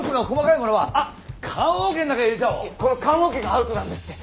いやこの棺桶がアウトなんですって。